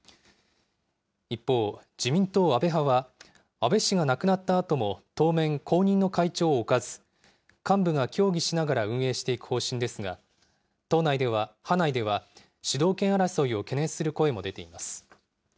一方、自民党、安倍派は安倍氏が亡くなったあとも当面、後任の会長を置かず、幹部が協議しながら運営していく方針ですが、派内では、指導権争いを懸念する声も出ています。